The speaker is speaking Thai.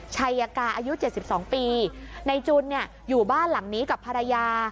ชัยกาอายุ๗๒ปีนายจุนเนี่ยอยู่บ้านหลังนี้กับภรรยา